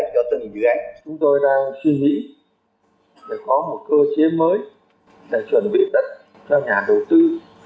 chúng tôi đang suy nghĩ để có một cơ chế mới để chuẩn bị đất cho nhà đầu tư